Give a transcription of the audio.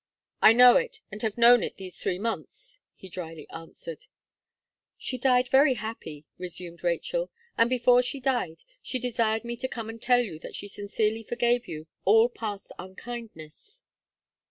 "I know it, and have known it these three months," he drily answered. "She died very happy," resumed Rachel, "and before she died, she desired me to come and tell you that she sincerely forgave you all past unkindness."